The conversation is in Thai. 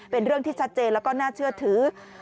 เป็นเรื่องที่ชัดเจนแล้วก็น่าเชื่อถือ